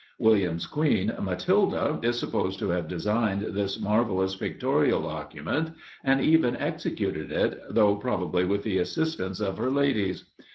William's queen, Matilda, is supposed to have designed this marvelous pictorial document, and even executed it, though probably with the assistance of her ladies.